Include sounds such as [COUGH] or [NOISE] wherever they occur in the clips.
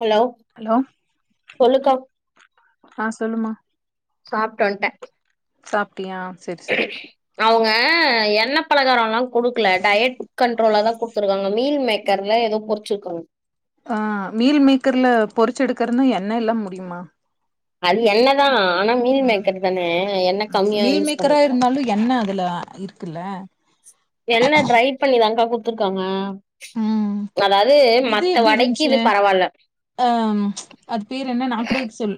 Hello hello சொல்லுக்கா ஆ சொல்லுமா சாப்ட்டு வந்ட்டே சாப்ட்டீயா சேரி சேரி அவுங்க எண்ண பலகாரோல்லா குடுக்கல டயட் கண்ட்ரோலா தா குடுத்துருக்காங்க மீல் மேக் கர்ல ஏதோ பொரிச்சிருக்காங்க ஆ மீல் மேக்கர்ல பொரிச்சி எடுக்குறதுனா எண்ண இல்ல முடியுமா அது எண்ணதா ஆனா மீல் ம் மேக்கர் தானே எண்ண ம் கம்மியா மீல் யூஸ் மேக்கரா பண்ணிருக்காங்க இருந்தாலு என்ன அதுல இருக் இருக்குல எண்ண ட்ரை பண்ணிதாக்கா குடுத்துருக்காங்க ம் அதாவது மத்த வடைக்கு இது பரவால்ல அ அது பேர் என்ன நா கூட சொல்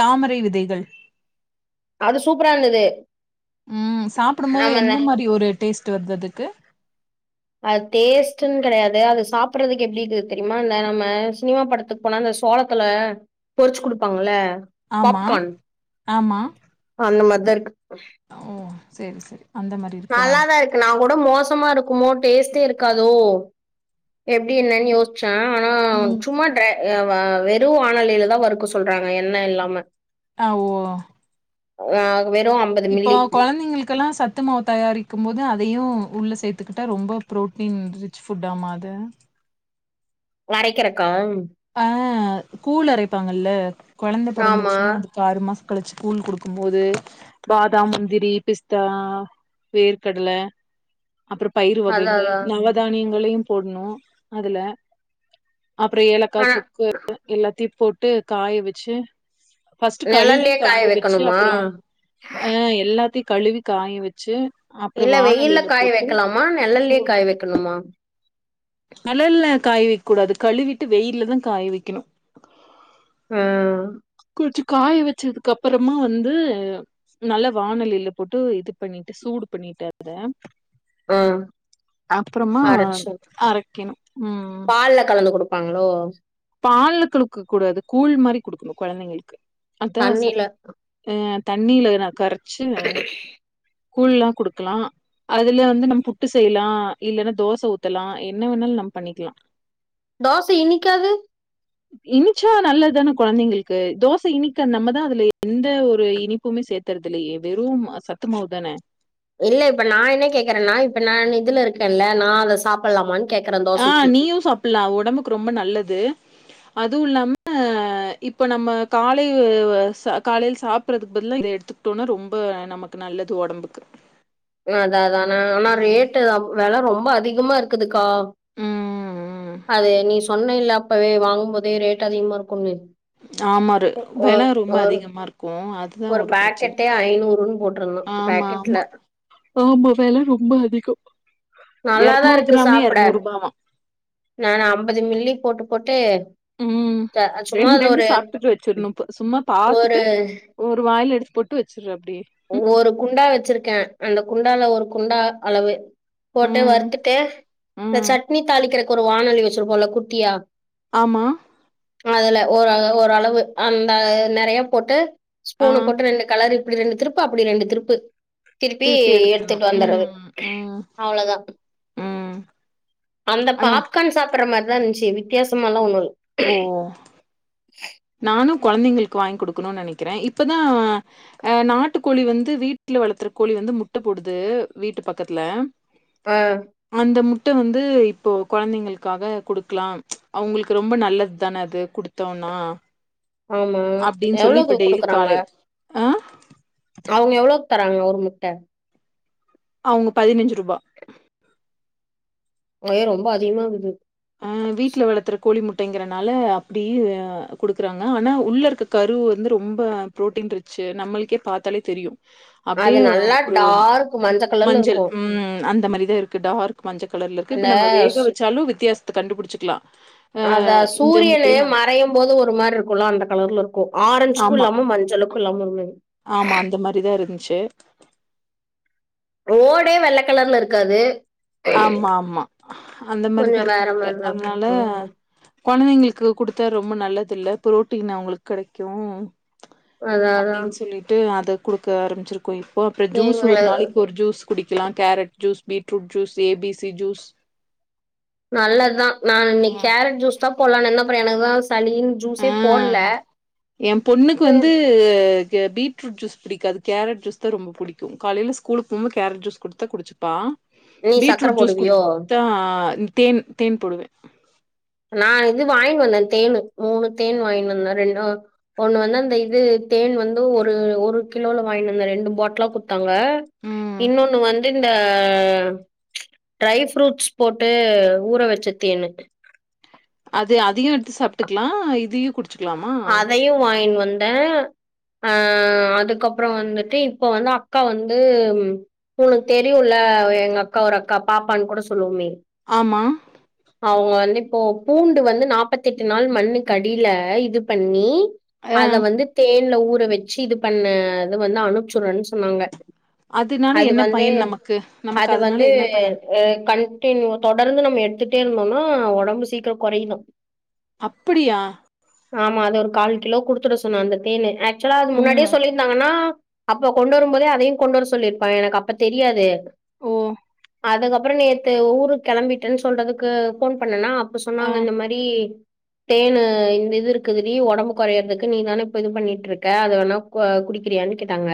தாமரை விதைகள் அது சூப்பராருந்துது ம் சாப்டும் போது என்ன மாரி ஒரு டேஸ்ட் வருது அதுக்கு அது டேஸ்ட்ன்னு கெடையாது அது சாப்ட்றதுக்கு எப்டி இருக்கு தெரியுமா இ நம்ம சினிமா படத்துக்கு போனா அந்த சோளத்துல பொறிச்சு குடுப்பாங்கல ஆமா பாப்கான் ஆமா அந்த மாரிதாருக்கு ஓ சேரி சேரி அந்த மாரி இருக்கா நல்லாதாருக்கு நா கூட மோசமாருக்குமோ டேஸ்டே இருக்காதோ எப்டி என்னன்னு யோசிச் சே ஆனா ம் சும்மா வெறு வானலிலதா வறுக்க சொல்றாங்க எண்ண இல்லாம ஆ ஓ ஆ வெறு அம் இப்போ கொழந்தைங்களுக்குலா சட் சத்து மாவு தயாரிக்கு போது அதயு உள்ள சேத்துக்கிட்டா ரொம்ப புரோட்டீன் ரிச் ஃபுட்டாமா அது அரைக்கிறக்கா ஆ கூழ் அரைப்பாங்கல்ல கொழந்த ஆமா பொறந்துச்சுன்னா அ ஆறு மாசோ கழிச்சு கூழ் குடுக்கும் போது பாதாம் முந்திரி பிஸ்தா வேர் கடல அப்றோ பயிர் அதா வகைகள் அதா நவதானியங்களயு போட்ணு அதுல அப்றோ ஏலக்கா ஆனா சுக்கு எல்லாத்தயு காய வெச்சு ஃபஸ்ட் கழுவி நெழல்லயே காய வச்சு வைக்கணுமா அப்றோ அ எல்லாத்தயு கழுவி காய வெச்சு அப்ற இல்ல வெயில்ல வானலில காய போட்டு வைக்கலாமா நெழல்லயே சூடு காய பண்ணி வைக்கணுமா நெழல்ல காய வைக்க கூடாது கழுவிட்டு வெயிலதா காய வைக்கணு ஆ கொஞ்சோ காய வச்சதுக்கு அப்றமா வந்து நல்ல வானலில போட்டு இது பண்ணிட்டு சூடு பண்ணிட்டு அத ஆ அப்றமா அரச்சு அரைக்கணு ம் பால்ல கலந்து குடுப்பாங்களோ பால்ல குடுக்க கூடாது கூழ் மாரி குடுக்கணு கொழந்தைங்களுக்கு அதா சத் தண்ணில அ தண்ணில எதுனா கரச்சு கூழ்ல்லா குடுக்லா அதுல வந்து நம்ம புட்டு செய்லா இல்லன்னா தோச ஊத்தலா என்ன வேணாலு நம்ம பண்ணிக்கலா தோச இனிக்காது இனிச்சா நல்லது தான கொழந்தைங்களுக்கு தோச இனிக்க நம்மதா அதுல எந்த ஒரு இனிப்புமே சேத் துலயே வெறு சத்துமாவுதான இல்ல இப்ப நா என்ன கேக்குறேன்னா இப்ப நா இதுல இருக்கேன்ல்ல நா அத சாப்பிட்லாமான்னு ஆ நீயு சாப்புல்லா ஒடம்புக்கு ரொம்ப நல்லது அதுவு இல்லாம இப்போ நம்ம காலை ச காலையில் சாப்பிட்றதுக்கு பதிலா இத எடுத்து தோனா ரொம்ப நமக்கு நல்லது ஒடம்புக்கு ஆ அதா அதா நா ஆனா ம். ரேட்டு்தா வெல ரொம்ப அதிகமா இருக்குதுக்கா ம், ம். அது நீ சொன்ன இல்ல அப்பவே வாங்கும் போதே ரேட் அதிகமா இருக்குனு ஆமாரு வெல ரொம்ப அதிகமா இருக்கு அது ஒரு பேக்கெட்டே ஐநூறுன் போட்ருந்தா ஆமா, பேக்கெட்ல ஆமா. ஆமா வெல ரொம்ப அதிகோ நல்லாதா இருக்கு சாப்ட நானா அம்பது மில்லி போட்டு போட்டு ம் த சும்மா ரெண் அந்த ரெண்டு ஒரு சாப்டுட்டு வச்சிர்ணுப்பு சும்மா ஒரு பாத்துட்டு ஒரு வாயில எடுத்து போட்டு வச்சுரு அப்டியே ஒவ்வொரு குண்டா வச்சிருக்க அந்த குண்டால ஒரு குண்டா அளவு போட்டு ம், வறுத்துட்டு இந்த ம். சட்னி தாளிக்றக்கு ஒரு வாணலி வச்சிருப்போல்ல குட்டியா ஆமா அதுல ஒரு அ ஓரளவு அந்த நெறைய போட்டு ஆ. ஸ்பூன போட்டு ரெண்டு கெளறு இப்டி ரெண்டு திருப்பு அப்டி ரெண்டு திருப்பு திருப்பி எடுத்தணு எத்துட்டு வந்துறது ம் ம் அவ்ளோதா ம் அந்த ஆனா பாப்கார்ன் சாப்ற மார்தா இருந்ச்சு வித்தியாசமால்லா ஒன்னு இல்ல ஓ நானு கொழந்தைங்களுக் வாங் குடுக்கணுன் நெனைக்கிறே இப்பதா அ நாட்டுக்கோழி வந்து வீட்ல வளத்துற கோழி வந்து முட்ட போடுது வீட்டு பக்கத்துல அ அந்த முட்ட வந்து இப்போ கொழந்தைங்களுக்காக குடுக்லா அவங்களுக் ரொம்ப நல்லத் தான அது குடுத் தோனா ஆமா எவ்ளோக்கு டெய்லி குடுக்குறாங்க காலைல ஆ அவுங்க எவ்ளோக் தராங்க ஒரு முட்ட அவுங்க பதினஞ்சு ருபா ஏ ரொம்ப அதிகமாகுது அ வீட்ல வளத்துற கோழி முட்டங்கிறனால அப்டி அ குடுக்குறாங்க ஆனா உள்ள இருக்க கரு வந்து ரொம்ப புரோட்டீன் ரிச்சு நம்ளுக்கே பாத்தாலே தெரியு அது அப்டியே அ நல்லா ஒரு டார்க் மஞ்ச கலர்ல மஞ்சள் இருக்கு ம் அந்த மாரிதா இருக்கு டார்க் மஞ்ச கலர்ல இருக்கு இப்ப அந்த நம்ம வேக ஸ்- வச்சாலு வித்யாச த கண்டுபுடிச்சுக்லா அதா சூரியனு மறையும் போது ஒரு மார் இருக்குல்ல அந்த கலர்ல இருக்கு ஆரஞ்சுக்கு ஆமா, இல்லாம மஞ்சளுக் குல்லாம ரெ ஆமா அந்த மாரிதா இருந்ச்சு ஓடே வெள்ளக்கலர்ல இருக்காது ஆமா ஆமா அந்த கொஞ்சோ மாரிதா இருக்கு வேற முட்ட மாரிதா இருக்கு அதனால ம் கொழந்தைங்களுக்கு குடுத்தா ரொம்ப நல்லது இல்ல பு்ரோட்டீன் அவங்களுக் கெடைக்கு அதா அதா அப்டின் சொல்லிட்டு அத குடுக்க ஆரம்பிச்சிருக்கோ இப்போ அப்றோ ஜூஸு தேங்கா ஒரு நாளைக்கு ஒரு ஜூஸு குடிக்கலா carrot juice beetroot juice A B C juice நல்லதா நா இன்னைக் ம். கேரட் ஜூஸ் தா போட்லானுருந்தே பெற எனக்குதா சளி ஆ ஜூஸே போட்ல டு டு க பீட்ரூட் ஜூஸ் புடிக்காது கேரட் ஜூஸ் தா ரொம்ப புடிக்கு காலைல ஸ்கூல் போம்போது கேரட் ஜூஸ் குடுத்தா குடிச்சு பா நீ சக்கரை பீட்ரூட் ஜூஸ் போடுவியோ குடுத்தா தேன் தேன் போடுவே நா இது வாங்கினு வந்தே தேன் மூணு தேன் வாங்கினு வந்தே ரெண்டோ ஒன்னு வந்து அந்த இது தேன் வந்து ஒரு ஒரு கிலோல வாங்கினு வந்த ரெண்டு பாட்டலா குடுத்து தாங்க ம் இன்னொன்னு வந்து இந்த ட்ரைஃப்ரூட்ஸ் போட்டு ஊற வச்ச தேனு அது அதயு எடுத்து சாப்டுக்கலா இதயு குடு அதையு வாங்கின்னு வந்தே அ அதுக்கப்றோ வந்துட்டு இப்ப வந்து அக்கா வந்து உனக்கு தெரியுல்ல எங்க அக்கா ஒரு அக்கா பாப்பான்னு கூட சொல்லுவோமே ஆமா அவுங்க வந்து இப்போ பூண்டு வந்து நாப்பத்தெட்டு நாள் மண்ணு கடியில இது பண்ணி ஆ அத வந்து தேன் ல ஊற வச்சு இது பண்ணது வந்து அனுப்ச்சுடுறன் சொன்னாங்க அதனால அது என்ன வந்து பயன் நமக்கு நமக்கு அது அதனால வந்து என்ன பயன் எ கண்டினியூ தொடர்ந்து நம்ம எடுத்துட்டே இருந்தோம்னா ஒடம்பு சீக்கரோ கொறையுனு அப்புடியா ஆமா அது ஒரு கால் கிலோ குடுத்துட சொன்னா அந்த தேன் ஆக்சுவலா அது முன்னாடியே ம் சொல்லிருந்தாங்கன்னா அப்ப கொண்டு வரும்போதே அதையும் கொண்டு வர சொல்லியிருப்பா எனக்கு அப்ப தெரியாது ஓ அதுக்கப்பறோ நேத்து ஊருக் கெளம்பிட்டேன்னு சொல்றதுக்கு ஃபோன் பண்ணனா அப்ப ஆ சொன்னாங்க இந்த மார் ப்டி தேனு இந்த இது இருக் குதுடி ஒடம்பு கொரையரதுக்கு நீ தானே இப்ப இது பண்ணிட்டு இருக்க அத வேணா கொ குடிக் கிறியானு கேட்டாங்க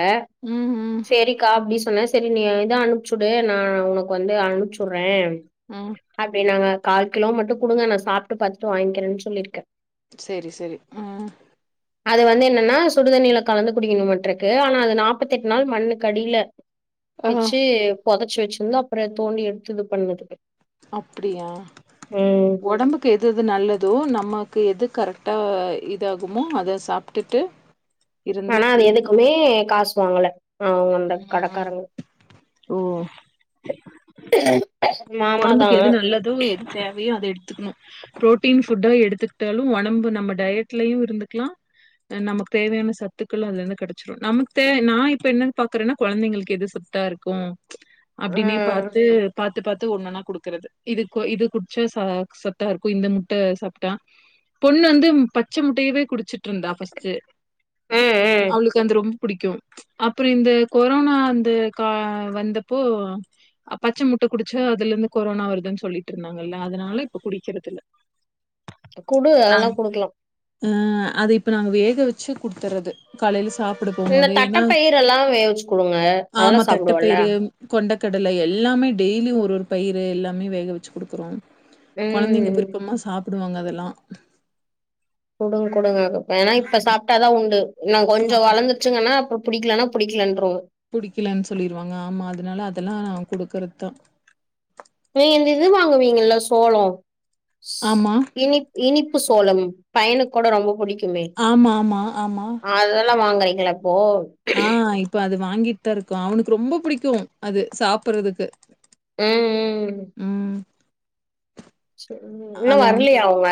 ம் ம் சேரிக்கா அப்டின்னு சொன்ன சரி நீ இத அனுப்புச்சுடு நா உனக்கு வந்து அனுப்ச்சுடுறே ம் அப்டின்னாங்க கால் கிலோ மட்டு குடுங்க நா சாப்ட்டு பாத்துட்டு வாங்கிக்கிறேன் சொல்லிருக்கே செரி செரி ம் அது வந்து என்னன்னா சுடுதண்ணில கலந்து குடிக்கணுமாட்ருக்கு ஆனா அது நாப்பத்தெட்டு நாள் மண்ணுக்கடில ஆஹா வச்சு பொதச்சு வச்சிருந்து அப்பறோ தோண்டி எடுத்து இது பண்ணதுக்கு அப்டியா ஒடம்புக் க்கு எதெது நல்லதோ நமக்கு எது கரெக்டா இதாகுமோ அத சாப்ட்டுட்டு இருந்து ஆனா அது இருக்கோ எதுக்குமே காசு வாங்கல அவங்க அந்த ம் கடக்காரங்க ஓ மாமாதா ஒடம்புக்கு எது நல்லதோ எது தேவையோ அத எடுத்துக்கணு பு்ரோட்டீன் ஃபுட்டா எடுத்துக்கிட்டாலு ஒடம்பு நம்ம டயட்லயு இருந்துக்கலா து நமக் தேவையான சத்துக்களு அதுல இருந்து கெடச்சிடு நமக்கு தே நா இப்ப என்னன் பாக்குறேன்னா கொழந்தைங்களுக்கு எது சத் தா இருக்கு ஆ அப்டினே ம் பாத்து பா த்து ஒன்னன்னா குடுக்கறது இது கு இது குடிச்ச ச சத்தா இருக்கு இந்த முட்ட சாப்ட்டா பொண்ணு வந்து பச்ச முட்டையவே குடிச்சிட்டு இருந்தா ஃபஸ்ட்டு ம் ம். அவளுக்கு வந்து ரொம்ப புடிக்கு அப்பறோ இந்த கொரோனா அந்த கா வந்தப்போ அ பச்ச முட்ட குடு ச்சு அதுல இருந்து கொரோனா வருதுன் சொல்லிட்டுருந்தாங்கல்ல அதனால இப்ப குடிக்கறதுல்ல குடு அதெல்லா குடுக்கலா ஆ அத இப்ப நாங்க வேக வச்சு குடுத்துறது காலைல சாப் புட போம் இந்த போது ஏனா தட்டப்பயிர் எல்லா வேவிச்சு குடுங்க அதெல்லா ஆமா சாப்டுவல்ல தட்டப்பயரு கொண்டக்கடல எல்லாமே டெய்லி ஒரு ஒரு பயிரு எல்லாமே வேக வச்சு குடுத்துறுவோ கொழந்தைங்க ம் விருப்பமா சாப்டுவாங்க அதெல்லா குடுங்க குடுங்க ஏனா இப்ப ஆமா சாப்ட்டாதா உண்டு இன்னு கொஞ்சோ ஆமா வளந்து சுங்கன்னா அப்ற புடிக்கலனா புடிக்கலன்றுவோ புடிக்கிலன்னு சொல்லிருவாங்க ஆமா அதனால அதெல்லா குடுக்குறது தா நீங்க இந்த இது வாங்குவீங்கல்ல சோளோ ஆமா இனி இனிப்பு சோளம் பையனுக்கூட ரொம்ப புடிக்கு குமே ஆமா ஆமா ஆமா அதல்லா வாங்குறீங்களா இப்போ ஆ இப்ப அது வாங்கிட்டு தா இருக்கோ அவனுக்கு ரொம்ப புடிக்கு அது சாப்புர்றதுக்கு ம் ம் ம் இன்னு அது அவனுக்கு வர்லயா அவுங்க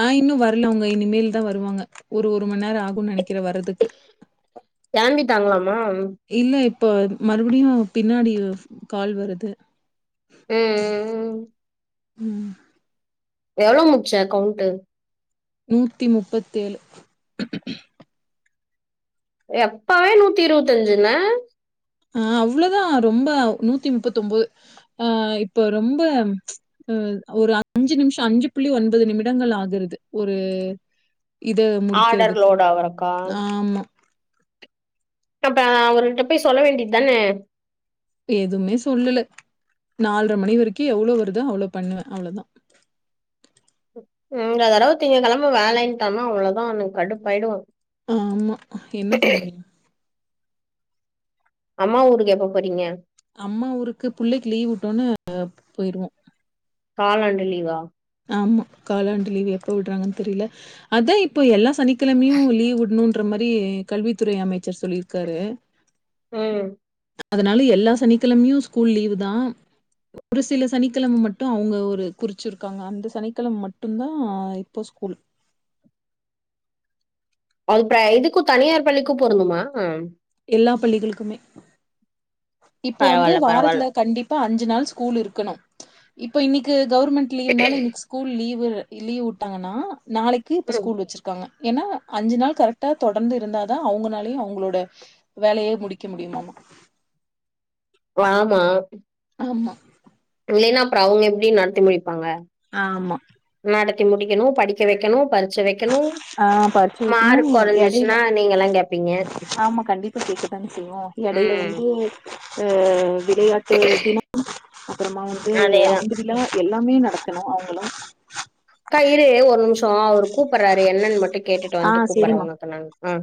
ஆ இன்னு வர்ல அவுங்க இனிமேல் தா வருவாங்க ஒரு ஒரு மண் நேரோ ஆகுன் நெனைக்குற வர்றதுக்கு கெகளம்பிட்டாங்களாமா இல்ல இப்ப மறுபடியு பின்னாடி கால் வருது ம் ம் எவ்ளோ முட்ச்ச கவ்ண்ட்டு நூத்தி முப்பத்தேழு ஏ அப்பவே நூத்தி இருவத்தஞ்சுன்ன ஆ அவ்ளோ தா ரொம்ப நூத்தி முப்பத்தோம்போது ஆ இப்போ ரொம்ப அ ஒரு அஞ்சு நிம்ஷோ அஞ்சு புள்ளி ஒன்பது நிமிடங்கள் ஆகு இது ஒரு இத ஆர்டர் முடிக்கிறதுக்கு லோட் ஆவறக்கா ஆமா அப்ப அவர்ட்ட போய் சொல்ல வேண்டியது தான எதுமே சொல்லல நால்ர மணி வரைக்குஎவ்ளோ வருதோ அவ்ளோ பண்ணுவே அவ்ளதா இந்த தடவ திங்க கெழம வேலன்ட்டானா அவ்ளோதா கடுப்பாயிடுவே ஆமா என்ன பண்ண முடியு அம்மா ஊருக்கு எப்ப போறீங்க அம்மா ஊருக்கு புள்ளைக்கு லீவ் வுட்டோன்ன போயிருவோ காலாண்டு லீவா ஆமா காலாண்டு லீவு எப்ப விட்றாங்கன்னு தெரில அதா இப்போ எல்லா சனிக்கெழமையு லீவ் வுட்ணுன்ற மாரி கல்வித்துறை அமைச்சர் சொல்லிருக்காரு ம் அதுனால எல்லா சனிக்கிழமையு ஸ்கூல் லீவு தா ஒரு சில சனிக்கெழம மட்டு அவுங்க ஒரு குறிச்சி க்காங்க அந்த சனிக்கெழம மட்டுந்தா இப்போ ஸ்கூல் [UNINTELLIGIBLE] இதுக்கு தனியார் பள்ளிக்கு பொருந்து மா எல்லா பள்ளிகளுக்குமே இப்ப வந்து பரவால்ல பரவால்ல வாரத்துல கண்டிப்பா அஞ்சு நாள் ஸ்கூல் இருக்கணு இப்ப இன்னைக்கு கவர்மெண்ட் லீவ்னால இன்னைக்கு ஸ்கூல் லீவு லீவ் வுட்டாங்கன்னா நாளைக் க்கு இப்ப ம் ஸ்கூல் வச்சிருக்காங்க ஏனா அஞ்சு நாள் கரெக்டா தொடர்ந்து இருந்தாதா அவங்கனாலயு அவுங்ளோட வேலயே முடிக்க முடியுமாமா வாமா ஆமா இல்லைன்னா அப்றோ அவுங்க எப்டி நடத்தி முடிப்பாங்க ஆமா நடத்தி முடிக்கிணு படிக்க வைக்கணு பரீட்ச் வைக்கணு ஆ பறிச்சு வக்கணு மார்க் எடைல கொறஞ்சிச்சுன்னா நீங்கல்லா கேப்பீங்க கண்டிப்பா கேக்க தான செய்வோ எடைல ம் வந்து அ விளையாட்டு தினம் அப்பறமா வந்து அதேதா ஆண்டு விழா எல்லாமே நடத்தணு அவுங்களு க்கா இரு ஒரு நிம்ஷோ அவரு கூப்பர்றாரு என்னன் மட்டு கேட்டுட்டு ஆ வந்துட்டு கூப்பர்ற சேரிம்மா உனக்கு நான் ஆ